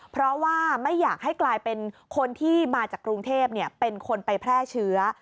เพราะว่าไม่อยากให้กลายเป็นคนที่มาจากกรุงเทพเป็นคนไปแพร่เชื้อ